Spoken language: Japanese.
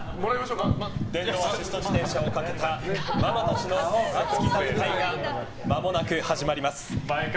電動アシスト自転車をかけたママたちの熱き戦いがまもなく始まります。